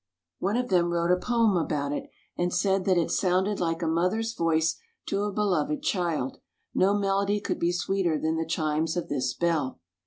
344 THE BELL 345 One of them wrote a poem about it, and said that it sounded like a mother's voice to a beloved child, no melody could be sweeter than the chimes of this bell.